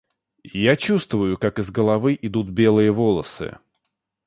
Я чувствую, как из головы идут белые волосы.